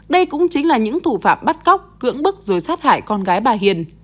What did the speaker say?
đây cũng chính là những thủ phạm bắt cóc cưỡng bức rồi sát hại con gái bà hiền